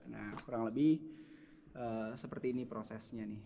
nah kurang lebih seperti ini prosesnya nih